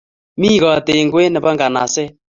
Mi kot eng kwen nepo nganaset